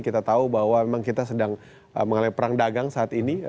kita tahu bahwa memang kita sedang mengalami perang dagang saat ini